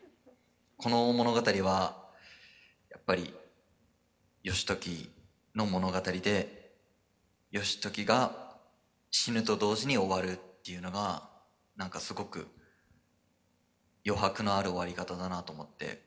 この物語はやっぱり義時の物語で義時が死ぬと同時に終わるっていうのが何かすごく余白のある終わり方だなと思って。